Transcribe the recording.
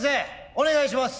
お願いします。